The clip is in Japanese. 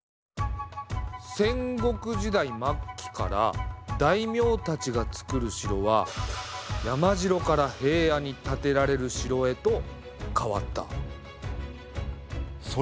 戦国時代末期から大名たちがつくる城は山城から平野に建てられる城へと変わった。